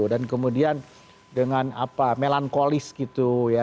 dan kemudian dengan melankolis gitu ya